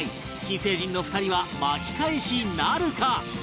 新成人の２人は巻き返しなるか？